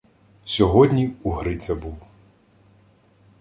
Сьогодні у Гриця був.